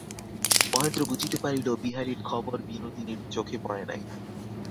মহেন্দ্র বুঝিতে পারিল, বিহারীর খবর বিনোদিনীর চোখে পড়ে নাই।